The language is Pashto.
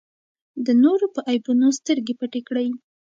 د نورو په عیبونو سترګې پټې کړئ.